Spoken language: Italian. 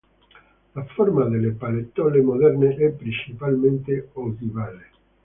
La forma delle pallottole moderne è principalmente ogivale.